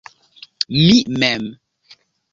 Mi mem.